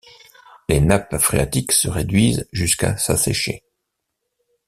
Les nappes phréatiques se réduisent jusqu’à s’assécher.